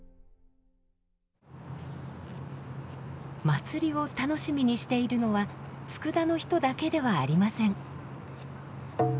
祭りを楽しみにしているのは佃の人だけではありません。